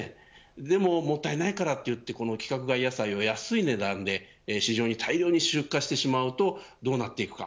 でも、もったいないからといってこの規格外野菜を安い値段で市場に大量に出荷してしまうとどうなっていくか。